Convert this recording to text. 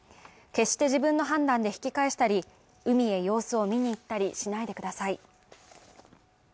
決して自分の判断で引き返したり、海へ様子を見に行ったりしないでください。